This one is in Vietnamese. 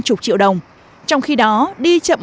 chục triệu đồng trong khi đó đi chậm